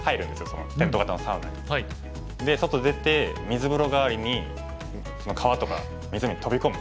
そのテント型のサウナに。で外出て水風呂がわりに川とか湖に飛び込む。